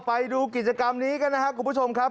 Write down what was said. ไปดูกิจกรรมนี้กันนะครับคุณผู้ชมครับ